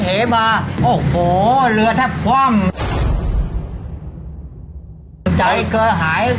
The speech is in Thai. เพราะเรือเขาใหญ่มากถูกไหมเฮีย